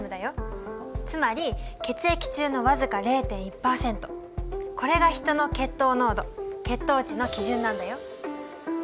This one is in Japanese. つまり血液中の僅か０．１％これがヒトの血糖濃度血糖値の基準なんだよ。